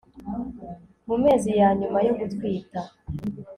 mu mezi ya nyuma yo gutwita